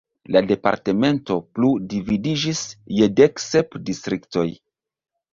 La departemento plu dividiĝis je dek sep distriktoj.